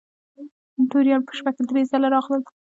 توریان په شپه کې درې ځله راغلل.